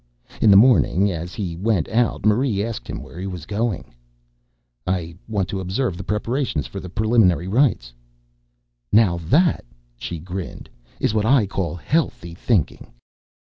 In the morning, as he went out, Marie asked him where he was going. "I want to observe the preparations for the Preliminary Rites." "Now that," she grinned, "is what I call healthy thinking."